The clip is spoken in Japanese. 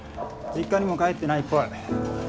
実家にも帰ってないっぽい。